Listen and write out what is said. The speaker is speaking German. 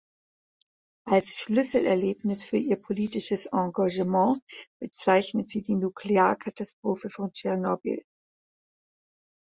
Als Schlüsselerlebnis für ihr politisches Engagement bezeichnet sie die Nuklearkatastrophe von Tschernobyl.